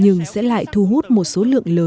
nhưng sẽ lại thu hút một số lượng lớn người hâm mộ